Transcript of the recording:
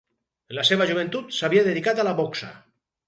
En la seva joventut s'havia dedicat a la boxa.